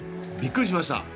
びっくりしました。